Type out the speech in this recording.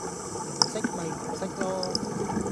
唔識咪唔識囉